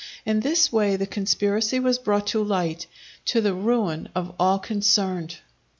In this way the conspiracy was brought to light, to the ruin of all concerned.